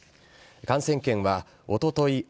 感染研はおととい